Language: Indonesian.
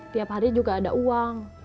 tiap hari juga ada uang